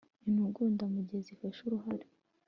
intugunda mu gihe zifashe uruhare